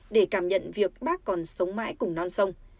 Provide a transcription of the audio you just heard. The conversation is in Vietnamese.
để cảm nhận việc bác còn sống